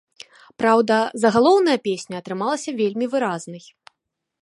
Праўда, загалоўная песня атрымалася вельмі выразнай.